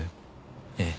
ええ。